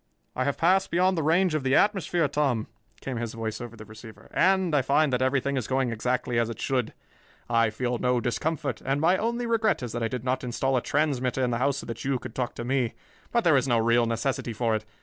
"I have passed beyond the range of the atmosphere, Tom," came his voice over the receiver, "and I find that everything is going exactly as it should. I feel no discomfort, and my only regret is that I did not install a transmitter in the house so that you could talk to me; but there is no real necessity for it.